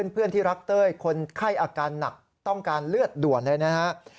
เพื่อนที่รักเต้ยคนไข้อาการหนักต้องการเลือดด่วนเลยนะครับ